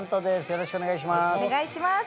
よろしくお願いします。